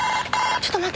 ちょっと待って。